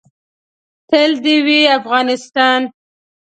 تل دې وي افغانستان.